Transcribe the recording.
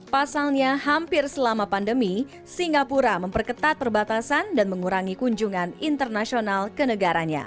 pasalnya hampir selama ini yang disease singapura memperkenat perbatasan dan mengurangi kunjungan internasional ke negaranya